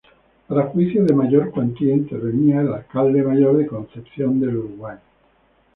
Para juicios de mayor cuantía intervenía el alcalde mayor de Concepción del Uruguay.